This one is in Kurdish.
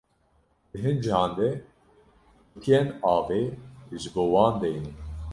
Di hin cihan de qutiyên avê ji bo wan deynin.